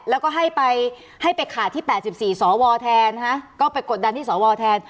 แล้วก็ให้ไปให้ไปขาดที่๘๔สวแทนก็ไปกดดันที่สวแทน